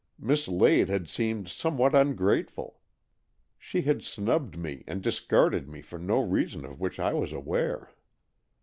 Miss Lade had seemed somewhat ungrateful; she had snubbed me and dis carded me for no reason of which I was aware.